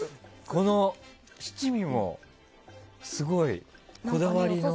この七味もすごいこだわりの。